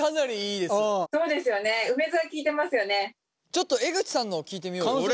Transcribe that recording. ちょっと江口さんのを聞いてみよう。